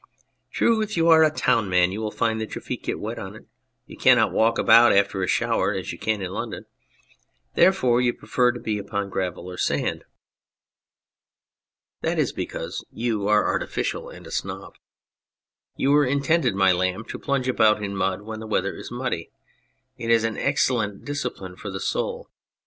True, if you are a town man you find that your feet get wet on it ; you cannot walk about after a shower as you can in London ; therefore you prefer to be upon gravel or sand. That is because you are 12 On Clay artificial and a snob. You were intended, my lamb, to plunge about in mud when the weather is muddy it is an excellent discipline for the soul.